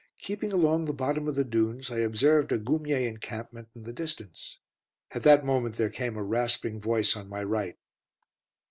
Keeping along the bottom of the dunes, I observed a Goumier encampment in the distance. At that moment there came a rasping voice on my right.